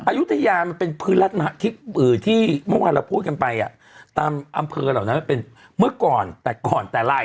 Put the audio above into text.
อายุทยามันเป็นพื้นรัฐที่เมื่อวานเราพูดกันไปตามอำเภอเหล่านั้นมันเป็นเมื่อก่อนแต่ก่อนแต่ลาย